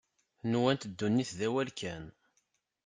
Nwant ddunit d awal kan.